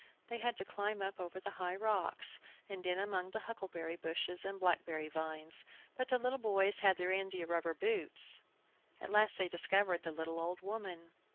They had to climb up over high rocks, and in among huckleberry bushes and black berry vines. But the little boys had their india rubber boots. At last they discovered the little old woman.